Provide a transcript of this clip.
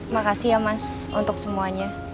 makasih ya mas untuk semuanya